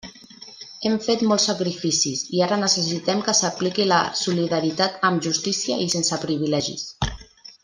Hem fet molts sacrificis i ara necessitem que s'aplique la solidaritat amb justícia i sense privilegis.